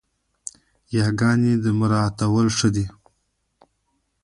ياګاني مراعتول ښه دي